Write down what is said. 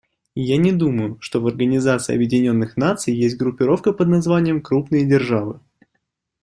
Я не думаю, что в Организации Объединенных Наций есть группировка под названием "крупные державы".